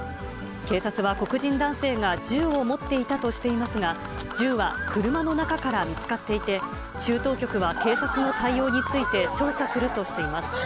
警察は黒人男性が銃を持っていたとしていますが、銃は車の中から見つかっていて、州当局は警察の対応について、調査するとしています。